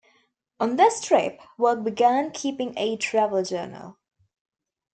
On this trip, Work began keeping a travel journal.